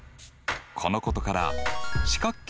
このことから四角形